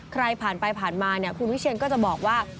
ใครผ่านไปผ่านมาเนี่ยคุณวิเชียนก็จะบอกว่า